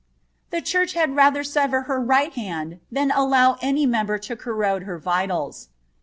The Church had rather sever her right hand than allow any member to corrode her vitals.